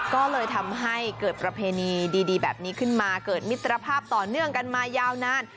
ก็เลยทำให้เกิดประเพณีดีแบบนี้ขึ้นมาเกิดมิตรภาพต่อเนื่องกันมายาวนาน